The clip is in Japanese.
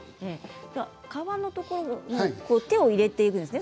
皮のところに手を入れているんですね。